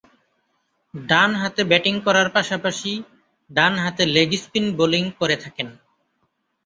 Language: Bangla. ডানহাতে ব্যাটিং করার পাশাপাশি ডানহাতে লেগ স্পিন বোলিং করে থাকেন।